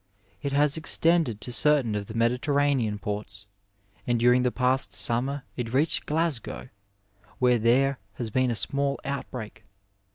It has ex tended to certain of the Mediterranean ports, and during the past summer it reached Glasgow, where there has been a small outbreak.